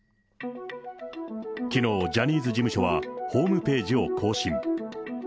きのうジャニーズ事務所は、ホームページを更新。